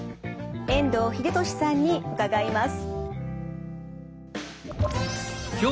遠藤英俊さんに伺います。